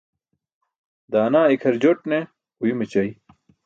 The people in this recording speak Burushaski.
Daanaa ikʰar jot ne uyum ećay.